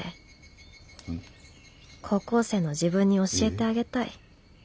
高校生の自分に教えてあげたい。